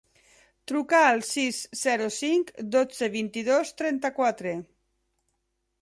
Truca al sis, zero, cinc, dotze, vint-i-dos, trenta-quatre.